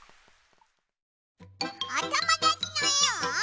おともだちのえを。